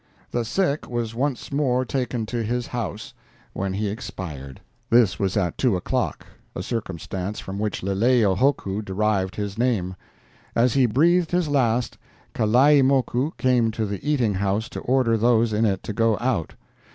"The sick was once more taken to his house, when he expired; this was at two o'clock, a circumstance from which Leleiohoku derived his name. As he breathed his last, Kalaimoku came to the eating house to order those in it to go out.